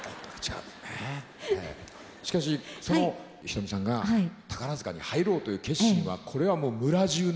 しかしその瞳さんが宝塚に入ろうという決心はこれはもう村じゅうの。